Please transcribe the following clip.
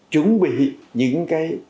chuẩn bị những cái